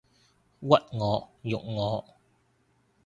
屈我辱我